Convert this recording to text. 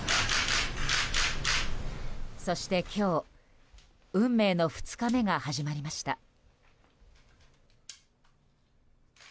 そして今日、運命の２日目が始まりました。